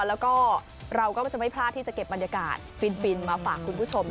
แล้วก็เราก็จะไม่พลาดที่จะเก็บบรรยากาศฟินมาฝากคุณผู้ชม